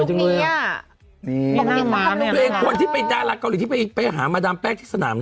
ตัวเองคนที่เป็นดาราเกาหลีที่ไปหามาดามแป้งที่สนาม